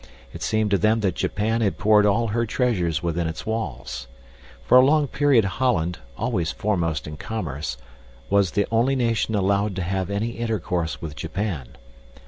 It seemed to them that Japan had poured all her treasures within its walls. For a long period Holland, always foremost in commerce, was the only nation allowed to have any intercourse with Japan.